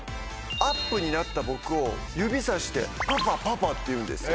アップになった僕を指さして「パパパパ」って言うんですよ。